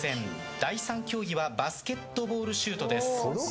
第３競技はバスケットボールシュートです。